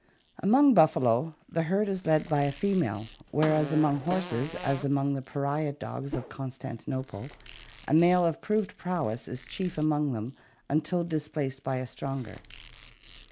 Among buffalo, the herd is led by a female, whereas among horses, as among the pariah dogs of Constantinople, a male of proved prowess is chief among them until displaced by a stronger.